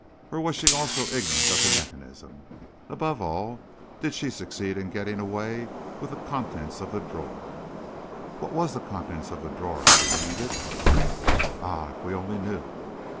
Or was she also ignorant of the mechanism? Above all, did she succeed in getting away with the contents of the drawer?" "What was the contents of the drawer?" I demanded. "Ah, if we only knew!"